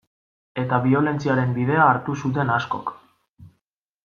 Eta biolentziaren bidea hartu zuten askok.